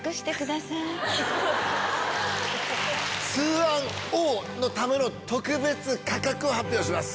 『通販王』のための特別価格発表します。